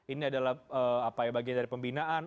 ini adalah bagian dari pembinaan